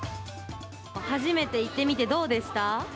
初めて行ってみて、どうでした？